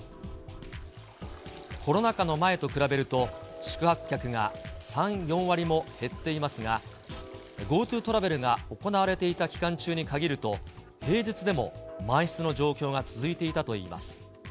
コロナ禍の前と比べると、宿泊客が３、４割も減っていますが、ＧｏＴｏトラベルが行われていた期間中に限ると、平日でも満室の状況が続いていたといいます。